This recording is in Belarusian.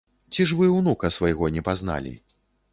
Ці ж вы ўнука свайго не пазналі?